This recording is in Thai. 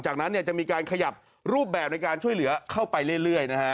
จากนั้นจะมีการขยับรูปแบบในการช่วยเหลือเข้าไปเรื่อยนะฮะ